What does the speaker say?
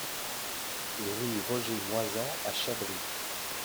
Rue Roger Moisan à Chabris